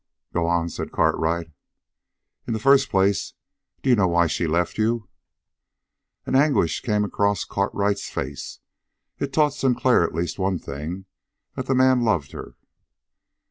"Go on," said Cartwright. "In the first place, d'you know why she left you?" An anguish came across Cartwright's face. It taught Sinclair at least one thing that the man loved her.